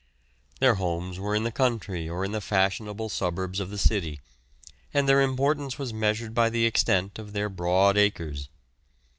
Their homes were in the country or in the fashionable suburbs of the city, and their importance was measured by the extent of their broad acres.